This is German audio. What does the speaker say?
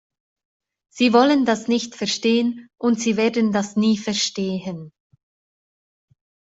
Sie wollen das nicht verstehen, und Sie werden das nie verstehen.